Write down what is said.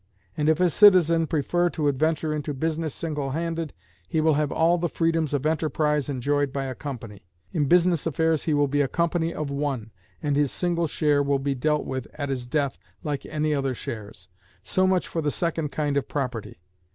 And if a citizen prefer to adventure into business single handed, he will have all the freedoms of enterprise enjoyed by a company; in business affairs he will be a company of one, and his single share will be dealt with at his death like any other shares.... So much for the second kind of property.